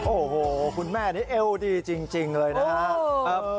โอ้โหคุณแม่นี่เอวดีจริงเลยนะครับ